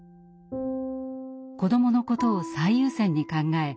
子どものことを最優先に考え